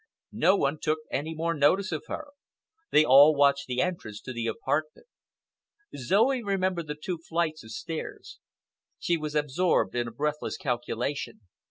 No one took any more notice of her. They all watched the entrance to the apartment. Zoe remembered the two flights of stairs. She was absorbed in a breathless calculation.